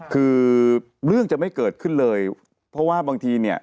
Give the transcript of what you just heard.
คือเรื่องจะไม่เกิดขึ้นเลยเพราะว่าบางทีเนี่ย